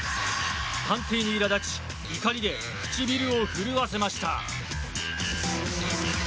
判定に苛立ち怒りで唇を震わせました。